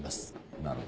なるほど。